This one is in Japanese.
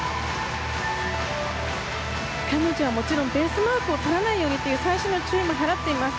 彼女はもちろんベースマークを取らないようにという細心の注意も払っています。